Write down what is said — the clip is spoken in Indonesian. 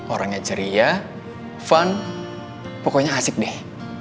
orangnya ceria fun pokoknya asik deh